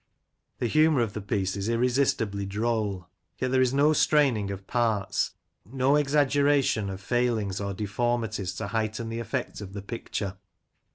The humour of the piece is irresistibly droll, yet there is no straining of parts — no exag geration of failings or deformities to heighten the effect of the picture.